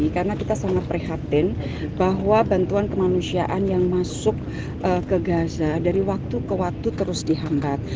karena kita sangat prihatin bahwa bantuan kemanusiaan yang masuk ke gaza dari waktu ke waktu terus dihangat